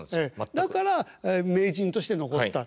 だから名人として残った。